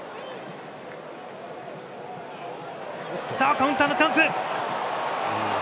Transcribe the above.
カウンターのチャンス！